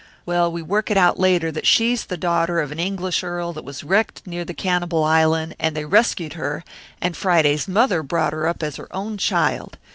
Well, we work it out later that she's the daughter of an English Earl that was wrecked near the cannibal island, and they rescued her, and Friday's mother brought her up as her own child.